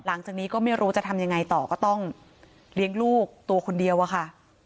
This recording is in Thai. หลังจากนี้ก็ไม่รู้จะทำยังไงต่อก็ต้องเลี้ยงลูกตัวคนเดียวอะค่ะ